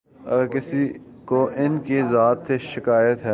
اگر کسی کو ان کی ذات سے شکایت ہے۔